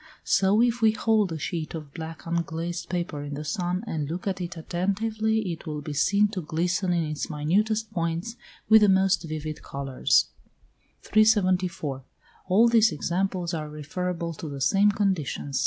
So, if we hold a sheet of black unglazed paper in the sun, and look at it attentively, it will be seen to glisten in its minutest points with the most vivid colours. 374. All these examples are referable to the same conditions.